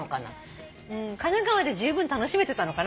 神奈川でじゅうぶん楽しめてたのかな。